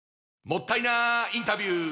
もったいなインタビュー！